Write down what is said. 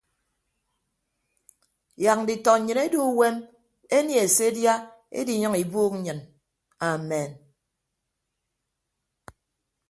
Yak nditọ nnyịn edu uwem enie se edia ediiyʌñ ibuuk nnyịn amen.